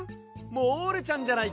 モールちゃんじゃないか。